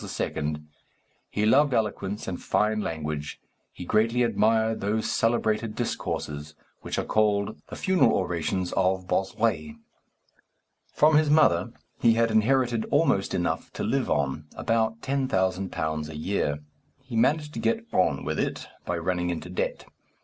He loved eloquence and fine language. He greatly admired those celebrated discourses which are called the funeral orations of Bossuet. From his mother he had inherited almost enough to live on, about £10,000 a year. He managed to get on with it by running into debt.